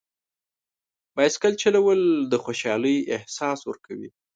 بایسکل چلول د خوشحالۍ احساس ورکوي.